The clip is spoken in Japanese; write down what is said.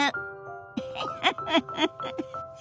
フフフフフフ。